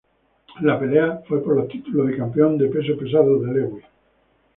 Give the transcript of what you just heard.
La pelea fue por los títulos de campeón de peso pesado de Lewis.